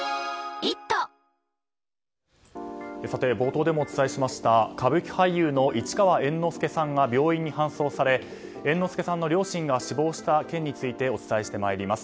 冒頭でもお伝えしました歌舞伎俳優の市川猿之助さんが病院に搬送され猿之助さんの両親が死亡した件についてお伝えしてまいります。